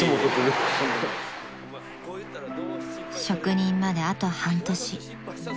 ［職人まであと半年］